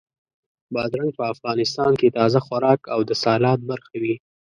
بادرنګ په افغانستان کې تازه خوراک او د سالاد برخه وي.